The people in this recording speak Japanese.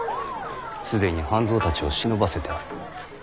既に半蔵たちを忍ばせてある。